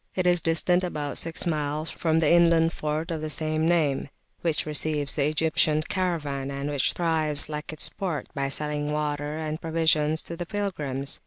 It is [p.215] distant about six miles from the inland fort of the same name, which receives the Egyptian caravan, and which thrives, like its port, by selling water and provisions to pilgrims.